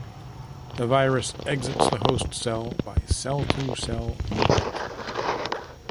The virus exits the host cell by cell-to-cell movement.